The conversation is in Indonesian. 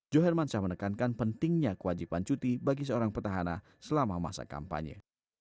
joh hermansyah menekankan pentingnya kewajiban cuti bagi seorang petahana selama masa kampanye